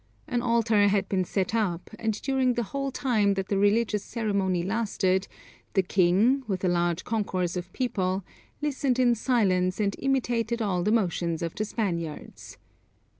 An altar had been set up, and during the whole time that the religious ceremony lasted, the king with a large concourse of people, listened in silence and imitated all the motions of the Spaniards.